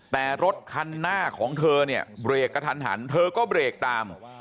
แต่รถคันหน้าของเธอเนี่ยเบรกกระทันหันเธอก็เบรกตาม